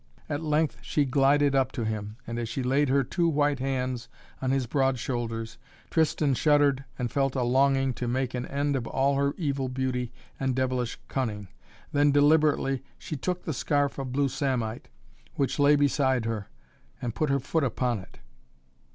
At length she glided up to him and, as she laid her two white hands on his broad shoulders, Tristan shuddered and felt a longing to make an end of all her evil beauty and devilish cunning. Then, deliberately, she took the scarf of blue samite, which lay beside her and put her foot upon it.